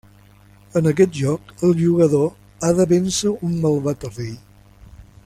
En aquest joc el jugador ha de vèncer a un malvat rei.